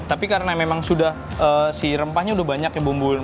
tapi karena memang sudah si rempahnya sudah banyak ya bumbu